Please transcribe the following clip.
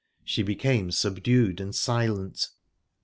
She became subdued and silent.